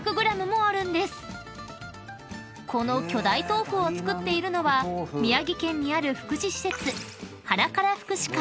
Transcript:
［この巨大豆腐を作っているのは宮城県にある福祉施設］